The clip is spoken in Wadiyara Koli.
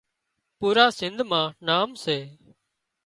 پُورا سنڌ مان نام سي